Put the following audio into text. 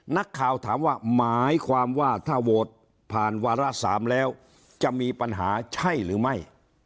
นักข่าวถามว่าหมายความว่าถ้าโหวตผ่านวาระ๓แล้วจะมีปัญหาใช่หรือไม่